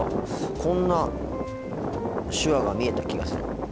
こんな手話が見えた気がする。